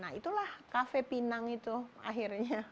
nah itulah kafe pinang itu akhirnya